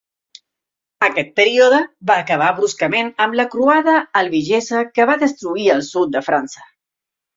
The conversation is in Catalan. Aquest període va acabar bruscament amb la croada albigesa que va destruir el sud de França.